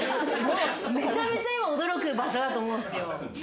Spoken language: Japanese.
めちゃめちゃ今驚く場所だと思うんすよ。